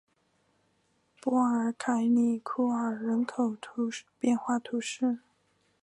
波尔凯里库尔人口变化图示